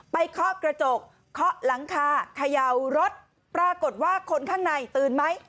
เคาะกระจกเคาะหลังคาเขย่ารถปรากฏว่าคนข้างในตื่นไหม